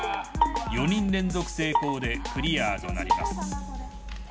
４人連続成功でクリアとなります。